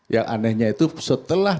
yang anehnya itu setelah